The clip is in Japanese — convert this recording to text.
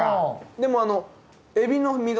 でもあの。